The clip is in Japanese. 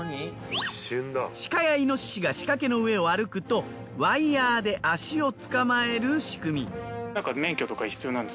シカやイノシシが仕掛けの上を歩くとワイヤーで足を捕まえる仕組み。